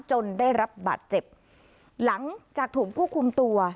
จนได้รับบาดเจ็บหลังจากถูกควบคุมตัว